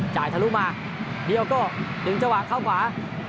จ่ายทะลุมาดีโอโก้ดึงเจ้าหวังเข้าขวา